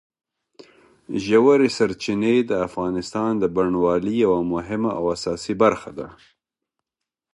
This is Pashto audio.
ژورې سرچینې د افغانستان د بڼوالۍ یوه مهمه او اساسي برخه ده.